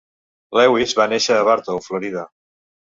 Lewis va néixer a Bartow, Florida.